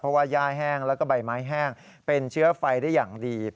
เพราะว่าย่าแห้งแล้วก็ใบไม้แห้งเป็นเชื้อไฟได้อย่างดี